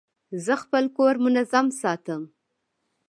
زه خپل کور منظم ساتم.